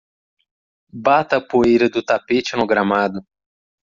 Bata a poeira do tapete no gramado.